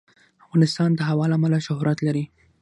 افغانستان د هوا له امله شهرت لري.